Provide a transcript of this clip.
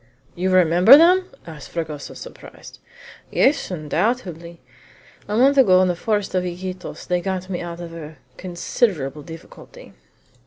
"You remember them!" asked Fragoso, surprised. "Yes, undoubtedly! A month ago, in the forest of Iquitos, they got me out of a considerable difficulty."